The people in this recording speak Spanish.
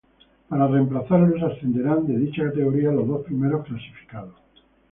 Para reemplazarlos, ascenderán de dicha categoría los dos primeros clasificados.